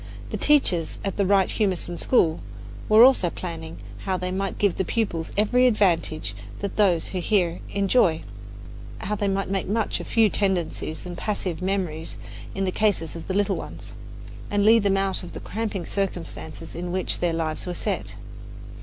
The teachers at the Wright Humason School were always planning how they might give the pupils every advantage that those who hear enjoy how they might make much of few tendencies and passive memories in the cases of the little ones and lead them out of the cramping circumstances in which their lives were set.